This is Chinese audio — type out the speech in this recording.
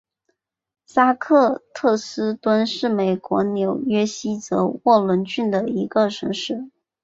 哈克特斯敦是美国纽泽西州沃伦郡的一个城市。